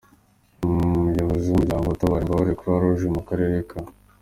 Umuyobozi w’Umuryango utabara imbabare, Croix Rouge mu karere ka .